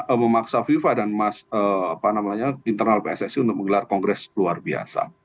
fifa memaksa fifa dan mas apa namanya internal pssi untuk menggelar kongres luar biasa